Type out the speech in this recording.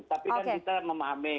tapi kita memahami